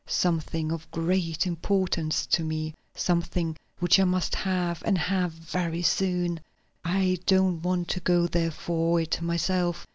"Something of great importance to me; something which I must have and have very soon. I don't want to go there for it myself.